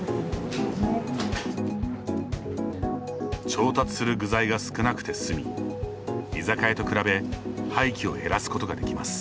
調達する具材が少なくて済み居酒屋と比べ廃棄を減らすことができます。